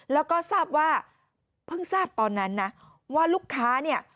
แล้วก็ทราบว่าเพิ่งทราบตอนนั้นนะว่าลูกค้าเนี่ย